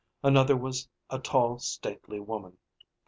Another was a tall stately women.